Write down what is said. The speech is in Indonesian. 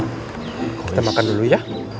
kita makan dulu ya